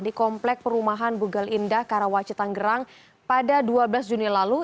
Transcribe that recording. di komplek perumahan bugel indah karawaci tanggerang pada dua belas juni lalu